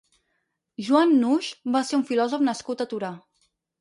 Joan Nuix va ser un filòsof nascut a Torà.